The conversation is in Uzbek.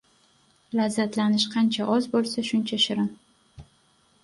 Lazzatlanish qancha oz bo‘lsa, shuncha shirin.